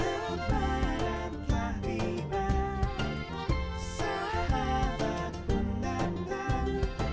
ucapkan salam kemenangan